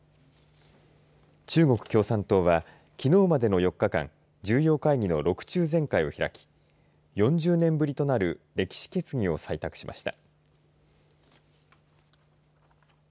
中国共産党はきのうまでの４日間重要会議の６中全会を開き４０年ぶりとなる歴史決議を採択しました。